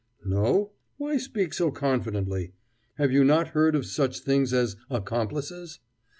"No? Why speak so confidently? Have you not heard of such things as accomplices?